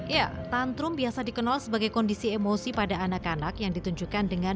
ya tantrum biasa dikenal sebagai kondisi emosi pada anak anak yang ditunjukkan dengan